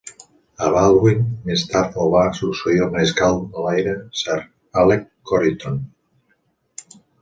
A Baldwin més tard el va succeir el Mariscal de l'Aire Sir Alec Coryton.